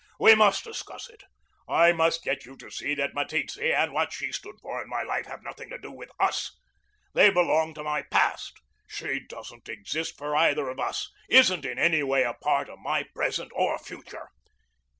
"We must discuss it. I must get you to see that Meteetse and what she stood for in my life have nothing to do with us. They belong to my past. She doesn't exist for either of us isn't in any way a part of my present or future."